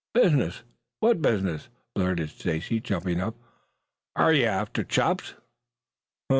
"Business! What business?" blurted Stacy, jumping up. "Are you after Chops?"